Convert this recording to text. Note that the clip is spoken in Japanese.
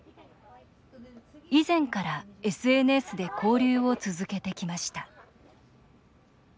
以前からＳＮＳで交流を続けてきました。